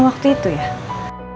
mak prison itu indah banget